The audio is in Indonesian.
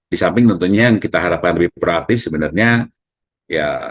di samping tentunya yang kita harapkan lebih proaktif sebenarnya ya